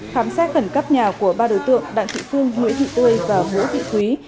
khám xét khẩn cấp nhà của ba đối tượng đặng thị phương nguyễn thị tươi và vũ thị thúy